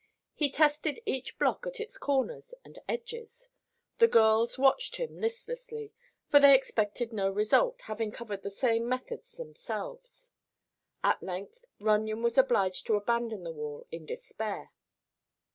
He tested each block at its corners and edges. The girls watched him listlessly, for they expected no result, having covered the same methods themselves. At length Runyon was obliged to abandon the wall in despair.